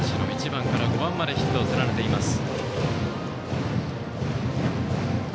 １番から５番までヒットを連ねています。